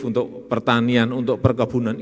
untuk pertanian untuk perkebunan